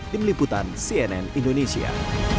tim liputan cnn indonesia